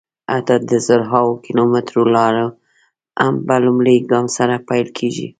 حتی د زرهاوو کیلومترو لاره هم په لومړي ګام سره پیل کېږي.